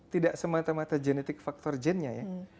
tidak semata mata genetik faktor gennya ya